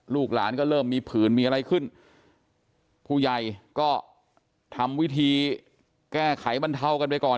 ลูกหลานก็เริ่มมีผื่นมีอะไรขึ้นผู้ใหญ่ก็ทำวิธีแก้ไขบรรเทากันไปก่อน